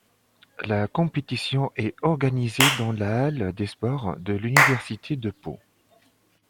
La compétition est organisée dans la halle des sports de l’Université de Pau.